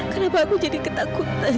kenapa aku jadi ketakutan